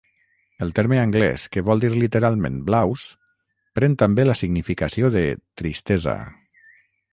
El terme anglès, que vol dir literalment 'blaus', pren també la significació de 'tristesa'.